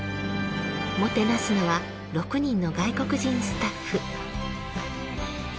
もてなすのは６人の外国人スタッフ。